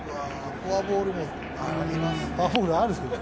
フォアボールもありますね。